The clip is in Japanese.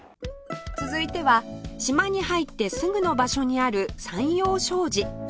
続いては島に入ってすぐの場所にある三洋商事